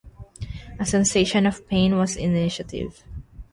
A sensation of pain was the initiative.